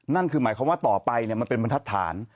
นั่นคือหมายความว่าต่อไปมันเป็นบรรทัศน